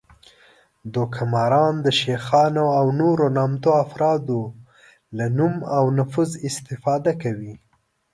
دوکه ماران د شیخانو او نورو نامتو افرادو له نوم او نفوذ استفاده کوي